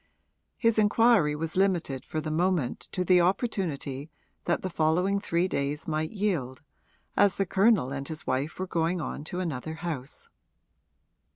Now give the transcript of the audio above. His inquiry was limited for the moment to the opportunity that the following three days might yield, as the Colonel and his wife were going on to another house.